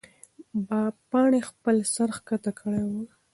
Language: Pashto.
پاڼې خپل سر ښکته کړی و.